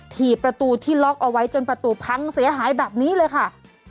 ถี่ประตูที่ล็อกเอาไว้จนประตูพังเสียหายแบบนี้เลยค่ะ